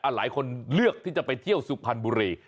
หลายคนเลือกที่จะไปเที่ยวสุพรรณบุรี